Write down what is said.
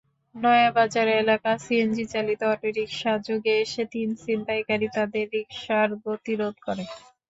নয়াবাজার এলাকায় সিএনজিচালিত অটোরিকশাযোগে এসে তিন ছিনতাইকারী তাঁদের রিকশার গতিরোধ করে।